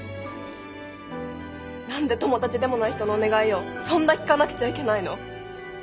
何で友達でもない人のお願いをそんな聞かなくちゃいけないの？